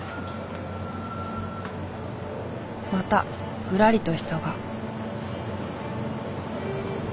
またふらりと人が。